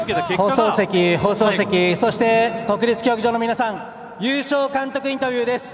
放送席、放送席そして国立競技場の皆さん優勝監督インタビューです。